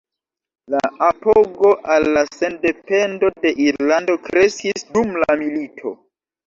La apogo al la sendependo de Irlando kreskis dum la milito.